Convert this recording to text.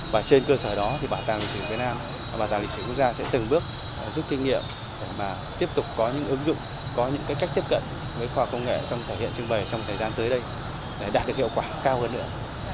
và trên cơ sở đó thì bảo tàng lịch sử việt nam và bảo tàng lịch sử quốc gia sẽ từng bước giúp kinh nghiệm tiếp tục có những ứng dụng có những cách tiếp cận với khoa học công nghệ trong thể hiện trưng bày trong thời gian tới đây để đạt được hiệu quả cao hơn nữa